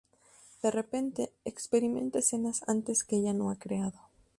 De repente, experimenta escenas antes que ella que no ha creado.